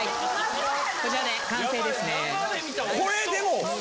こちらで完成ですね。